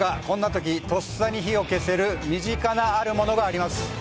こんなときとっさに火を消せる身近なあるものがあります